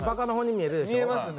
見えますね。